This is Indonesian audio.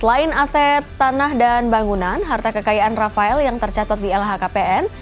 selain aset tanah dan bangunan harta kekayaan rafael yang tercatat di lhkpn